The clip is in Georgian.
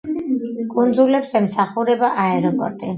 კუნძულებს ემსახურება აეროპორტი.